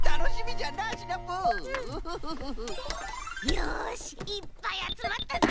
よしいっぱいあつまったぞ！